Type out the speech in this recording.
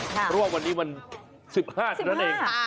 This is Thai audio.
เพราะว่าวันนี้วัน๑๕เท่านั้นเอง